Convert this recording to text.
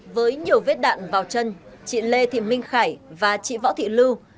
với nhiều vết đạn vào chân chị lê thị minh khải và chị võ thị lưu